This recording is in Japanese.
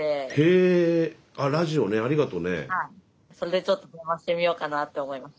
それでちょっと電話してみようかなって思いました。